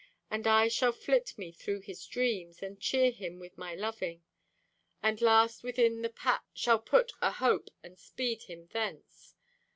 And I shall flit me through his dreams And cheer him with my loving; And last within the pack shall put A Hope and speed him thence.